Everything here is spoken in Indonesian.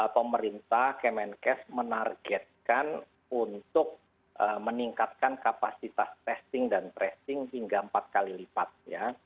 pemerintah kemenkes menargetkan untuk meningkatkan kapasitas testing dan tracing hingga empat kali lipat ya